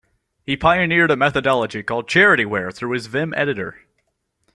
He pioneered a methodology called charityware through his Vim editor.